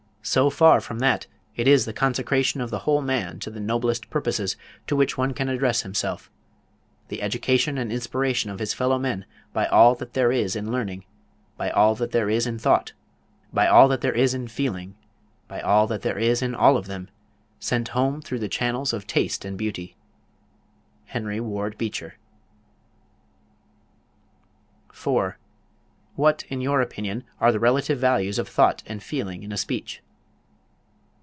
So far from that, it is the consecration of the whole man to the noblest purposes to which one can address himself the education and inspiration of his fellow men by all that there is in learning, by all that there is in thought, by all that there is in feeling, by all that there is in all of them, sent home through the channels of taste and of beauty. HENRY WARD BEECHER. 4. What in your opinion are the relative values of thought and feeling in a speech?